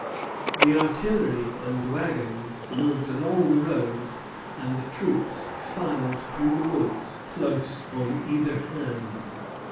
The artillery and wagons moved along the road, and the troops filed through the woods close on either hand.